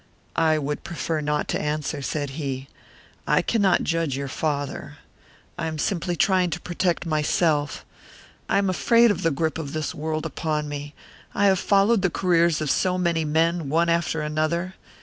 "I would prefer not to answer," said he. "I cannot judge your father. I am simply trying to protect myself. I'm afraid of the grip of this world upon me. I have followed the careers of so many men, one after another.